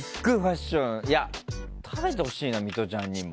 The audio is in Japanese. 食べてほしいなミトちゃんにも。